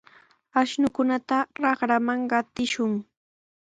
Ashnukunata raqraman qatishun.